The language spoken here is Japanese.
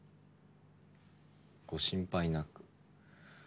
ご心配なく。